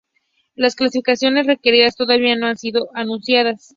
Las calificaciones requeridas todavía no han sido anunciadas.